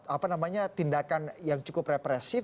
apa namanya tindakan yang cukup represif